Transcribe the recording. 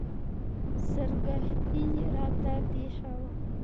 سرګښتۍ راته پېښه وه.